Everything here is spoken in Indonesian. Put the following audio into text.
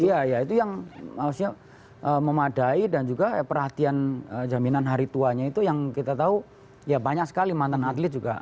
iya ya itu yang harusnya memadai dan juga perhatian jaminan hari tuanya itu yang kita tahu ya banyak sekali mantan atlet juga